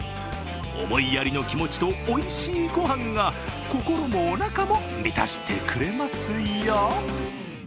思いやりの気持ちとおいしいご飯が心もおなかも満たしてくれますよ。